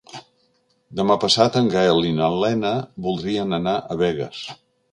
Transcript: Demà passat en Gaël i na Lena voldrien anar a Begues.